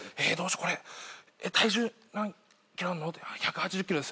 これ体重何ｋｇあんの？」って１８０ｋｇです。